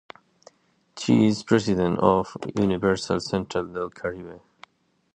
She is president of Universidad Central del Caribe.